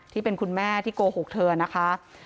ที่เป็นคุณแม่ที่โกหกเธอนะคะ